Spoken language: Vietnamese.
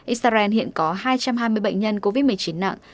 israel hiện có hai trăm hai mươi bệnh nhân covid một mươi chín nặng